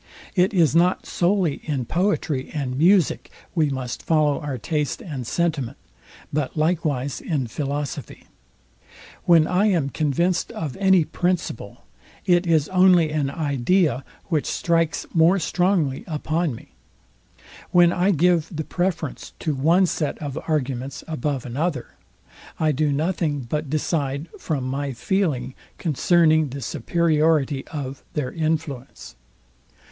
It is not solely in poetry and music, we must follow our taste and sentiment, but likewise in philosophy. When I am convinced of any principle, it is only an idea, which strikes more strongly upon me. When I give the preference to one set of arguments above another, I do nothing but decide from my feeling concerning the superiority of their influence.